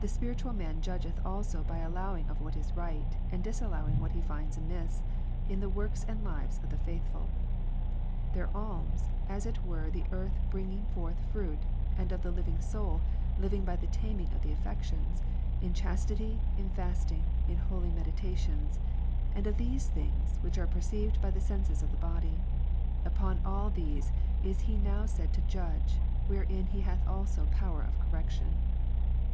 The spiritual man judgeth also by allowing of what is right, and disallowing what he finds amiss, in the works and lives of the faithful ; their alms, as it were the earth bringing forth fruit, and of the living soul, living by the taming of the affections, in chastity, in fasting, in holy meditations; and of those things, which are perceived by the senses of the body. Upon all these is he now said to judge, wherein he hath also power of correction.